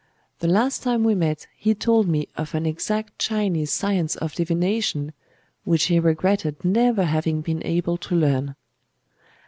The last time we met he told me of an exact Chinese science of divination which he regretted never having been able to learn.